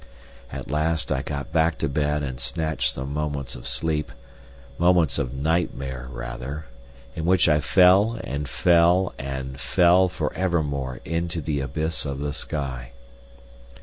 At last I got back to bed and snatched some moments of sleep—moments of nightmare rather—in which I fell and fell and fell for evermore into the abyss of the sky.